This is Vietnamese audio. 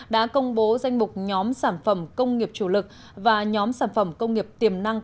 đã công bố danh mục nhóm sản phẩm công nghiệp chủ lực và nhóm sản phẩm công nghiệp tiềm năng